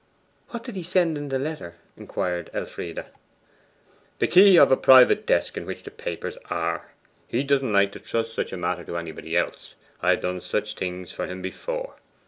'What did he send in the letter?' inquired Elfride. 'The key of a private desk in which the papers are. He doesn't like to trust such a matter to any body else. I have done such things for him before.